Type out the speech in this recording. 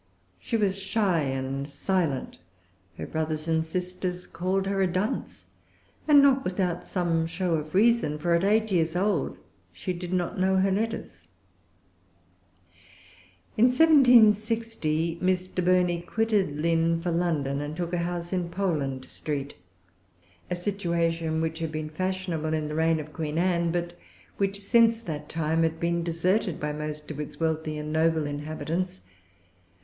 She was shy and silent. Her brothers and sisters called her a dunce, and not without some show of reason; for at eight years old she did not know her letters. In 1760 Mr. Burney quitted Lynn for London, and took a house in Poland Street; a situation which had been fashionable in the reign of Queen Anne, but which,[Pg 335] since that time, had been deserted by most of its wealthy and noble inhabitants.